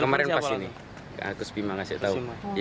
kemarin pas ini kus bima kasih tahu